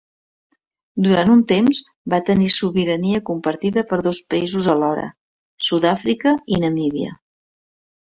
Durant un temps va tenir sobirania compartida per dos països alhora; Sud-àfrica i Namíbia.